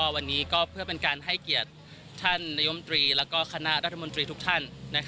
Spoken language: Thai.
วันนี้ก็เพื่อเป็นการให้เกียรติท่านนายมตรีและคณะรัฐมนตรีทุกท่าน